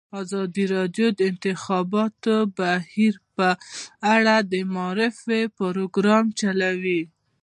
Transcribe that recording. ازادي راډیو د د انتخاباتو بهیر په اړه د معارفې پروګرامونه چلولي.